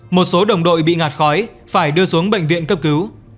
một số đồng đội bị ngạt khói phải đưa xuống bệnh viện cấp cứu